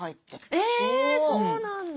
えそうなんだ。